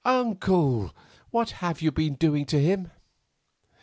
Uncle, what have you been doing to him?"